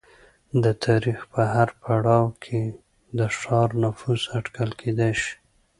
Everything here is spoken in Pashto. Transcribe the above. د تاریخ په هر پړاو کې د ښار نفوس اټکل کېدای شوای